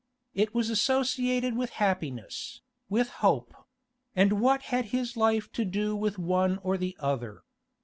It was associated with happiness, with hope; and what had his life to do with one or the other?